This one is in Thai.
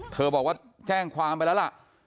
บอกว่าแจ้งความไปแล้วล่ะ